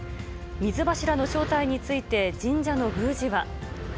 水柱の正体について、神社の宮司は。